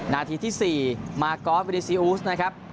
นาทีที่๔มากอฟวิดีซีอูสนะครับ